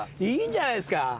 いいんじゃないですか。